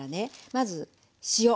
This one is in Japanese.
まず塩。